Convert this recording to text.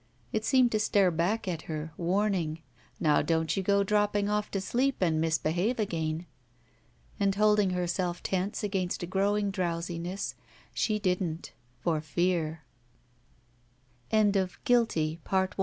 It seemed to stare back at her, warning, Now don't you go dropping off to sleep and misbehave again. And holding herself tense against a growing drowsiness, she didn't — ^for fea